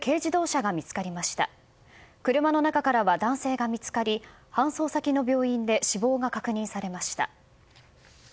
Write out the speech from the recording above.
車の中からは男性が見つかり搬送先の病院で死亡が確認されました。